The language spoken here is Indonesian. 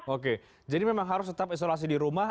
oke jadi memang harus tetap isolasi di rumah